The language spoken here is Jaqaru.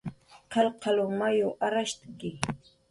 Qalqa mayuw arrashtki